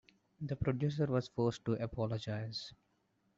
The producer was forced to apologize.